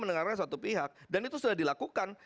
mendengarkan satu pihak dan itu sudah dilakukan